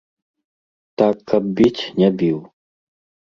Так каб біць, не біў.